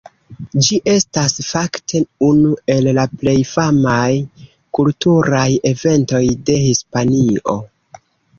Ĝi estas, fakte, unu el la plej famaj kulturaj eventoj de Hispanio.